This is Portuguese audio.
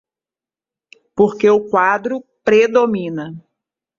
Porque o quadro predomina.